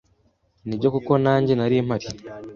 Nibyo kuko nanjye nari mpari